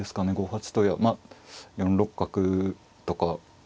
５八とやまあ４六角とか。